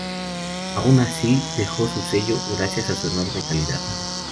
Aun así, dejó su sello gracias a su enorme calidad.